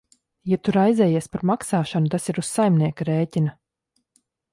Ja tu raizējies par maksāšanu, tas ir uz saimnieka rēķina.